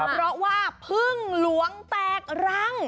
เพราะว่าพึ่งหลวงแตกรัง